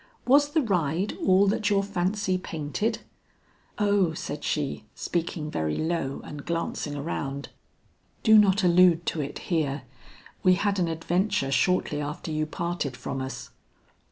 Was the ride all that your fancy painted?" "O," said she, speaking very low and glancing around, "do not allude to it here. We had an adventure shortly after you parted from us."